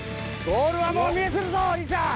ゴールはもう見えてるぞ！